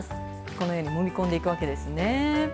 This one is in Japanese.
このようにもみ込んでいくわけですね。